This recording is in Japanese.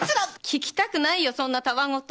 聞きたくないよそんなこと！